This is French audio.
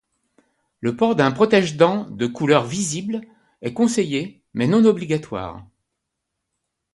Le port d'un protège-dents, de couleur visible, est conseillé mais non obligatoire.